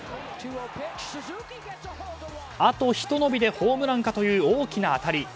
あとひと伸びでホームランかという大きな当たり。